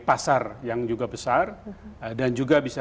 pasar yang juga besar dan juga bisa